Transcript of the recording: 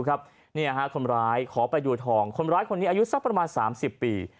คนร้ายขอไปดูทองคนร้ายคนนี้อายุสักประมาณ๓๐ปี